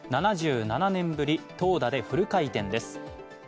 ７７年ぶり投打でフル回転です。